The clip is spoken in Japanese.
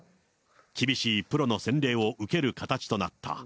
厳しいプロの洗礼を受ける形となった。